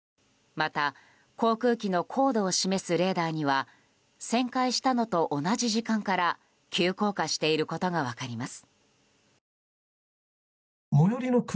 また、航空機の高度を示すレーダーには旋回したのと同じ時間から急降下していることが分かります。